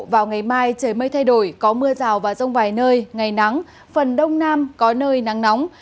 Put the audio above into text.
vào ngày mai trời mây thay đổi có mưa rào và rông vài nơi ngày nắng phần đông nam có nơi nắng nóng